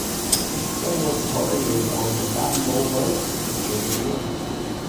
Sevenoaks Quarry is on Bat and Ball Road, also to the north.